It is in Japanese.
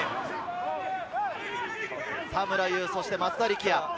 田村優、そして松田力也。